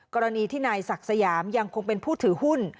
กรณีที่นายศักดิ์สยามยังคงเป็นผู้ถือหุ้น